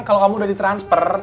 kalau kamu udah di transfer